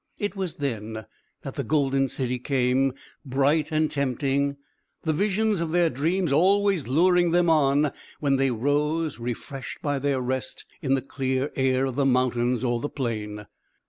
It was then that the golden city came, bright and tempting, the visions of their dreams always luring them on when they rose refreshed by their rest in the clear air of the mountain or the plain.